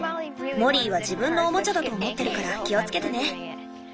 モリーは自分のおもちゃだと思ってるから気をつけてね。